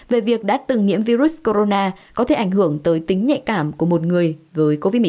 về việc đã từng nhiễm virus corona có thể ảnh hưởng tới tính nhạy cảm của một người với covid một mươi chín